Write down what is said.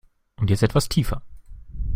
Und jetzt etwas tiefer!